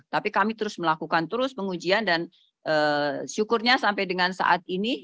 tapi kami terus melakukan terus pengujian dan syukurnya sampai dengan saat ini